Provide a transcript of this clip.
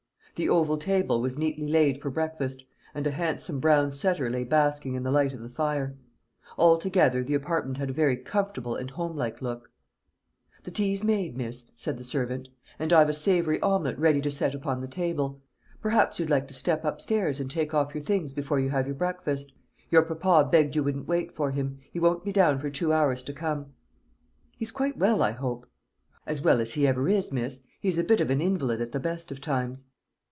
The oval table was neatly laid for breakfast, and a handsome brown setter lay basking in the light of the fire. Altogether, the apartment had a very comfortable and home like look. "The tea's made, miss," said the servant; "and I've a savoury omelette ready to set upon the table. Perhaps you'd like to step upstairs and take off your things before you have your breakfast? Your papa begged you wouldn't wait for him. He won't be down for two hours to come." "He's quite well, I hope?" "As well as he ever is, miss. He's a bit of an invalid at the best of times."